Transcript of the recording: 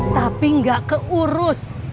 tapi enggak keurus